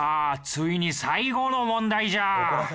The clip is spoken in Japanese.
ついに最後の問題じゃ。